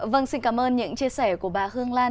vâng xin cảm ơn những chia sẻ của bà hương lan